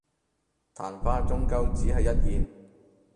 曇花終究只係一現